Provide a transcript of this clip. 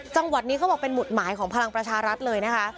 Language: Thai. จังหวัดนี้เขาบอกเป็นหุดหมายของพลังประชารัฐเลยนะคะ